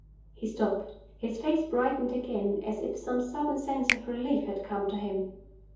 He stopped. His face brightened again, as if some sudden sense of relief had come to him.